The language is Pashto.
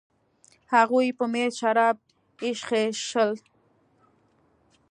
هغوی په میز شراب ایشخېشل.